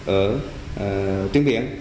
ở tuyến biển